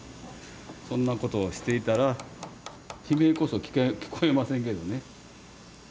そんなことをしていたら悲鳴こそ聞こえませんけどね